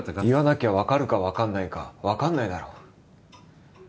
言わなきゃ分かるか分かんないか分かんないだろ